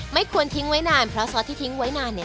ไม่ควรทิ้งไว้นานเพราะซอสที่ทิ้งไว้นานเนี่ย